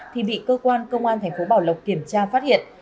thì bị cơ quan công an thành phố bảo lộc kiểm tra phát hiện